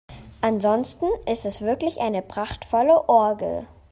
Ansonsten ist es wirklich eine prachtvolle Orgel.